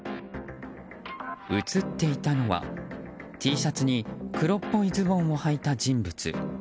映っていたのはＴシャツに黒っぽいズボンをはいた人物。